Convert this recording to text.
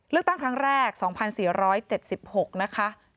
เลือกตั้งครั้งแรก๒๔๗๖นะคะ